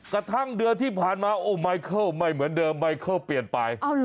กระทั่งเดือนที่ผ่านมาโอ้ไมเคิลไม่เหมือนเดิมไมเคิลเปลี่ยนไป